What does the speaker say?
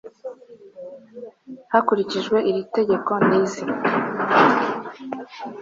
hakurikijwe iri tegeko ni izi